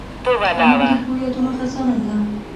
انا د ښو یادونو خزانه ده